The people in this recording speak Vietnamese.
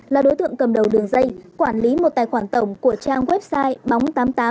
là đối tượng cầm đầu đường dây quản lý một tài khoản tổng của trang website bóng tám mươi tám